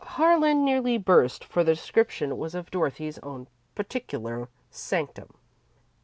Harlan nearly burst, for the description was of Dorothy's own particular sanctum.